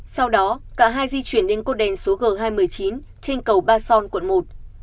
sau đó cả hai di chuyển đến cột đèn số g hai mươi chín trên cầu ba son quận một